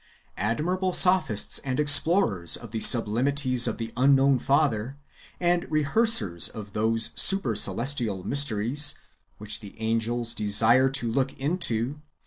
Admirable sophists, and explorers of the sublimities of the unknown Father, and rehearsers of those super celestial mysteries "which the angels desire to look into!"